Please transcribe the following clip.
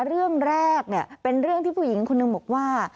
เรื่องแรกเป็นเรื่องที่ผู้หญิงคนหนึ่งบอกว่า